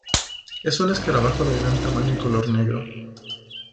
Es un escarabajo de gran tamaño y color negro